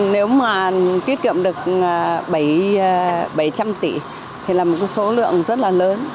nếu mà tiết kiệm được bảy trăm linh tỷ thì là một số lượng rất là lớn